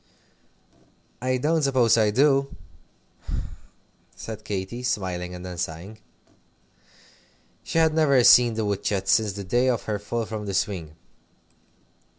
"I don't suppose I do," said Katy, smiling, and then sighing. She had never seen the wood shed since the day of her fall from the swing.